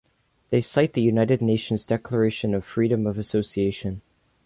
They cite the United Nations declaration of freedom of association.